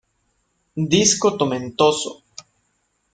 Disco tomentoso.